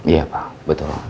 iya pak betul